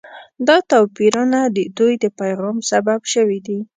دا توپیرونه د دوی د پیغام سبب شوي دي.